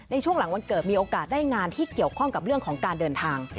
ในช่วงหลังวันเกิดมีโอกาสได้งานที่เกี่ยวข้องกับเรื่องของการเดินทาง